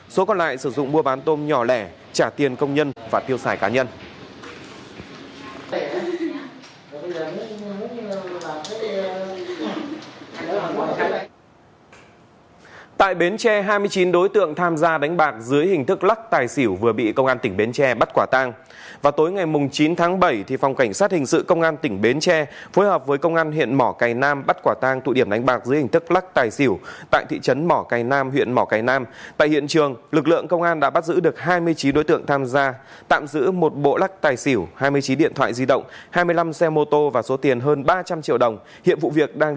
số còn lại sử dụng mua bán tôm nhỏ lẻ trả tiền công nhân và tiêu sản